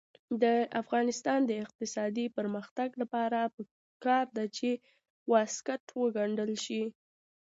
د افغانستان د اقتصادي پرمختګ لپاره پکار ده چې واسکټ وګنډل شي.